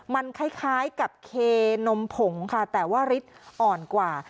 มันคล้ายกับเคนมผงค่ะแต่ว่าฤทธิ์อ่อนกว่า